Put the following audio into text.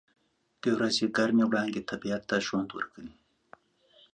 • د ورځې ګرمې وړانګې طبیعت ته ژوند ورکوي.